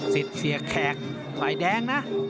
สิทธิ์เสียแขกไหลแดงนะ